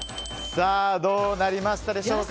さあ、どうなりましたでしょうか。